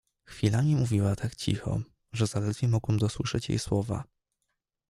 "Chwilami mówiła tak cicho, że zaledwie mogłem dosłyszeć jej słowa."